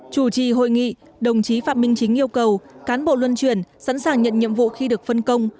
chủ trì hội nghị đồng chí phạm minh chính yêu cầu cán bộ luân chuyển sẵn sàng nhận nhiệm vụ khi được phân công